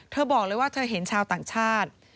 บอกเลยว่าเธอเห็นชาวต่างชาติ